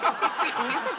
んなこと。